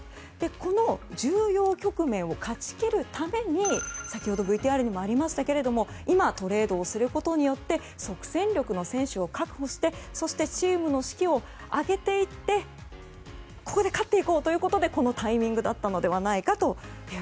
この重要局面を勝ち切るために先ほどＶＴＲにもありましたけど今、トレードをすることによって即戦力の選手を確保してそしてチームの士気を上げていってここで勝っていこうということでこのタイミングだったのではと。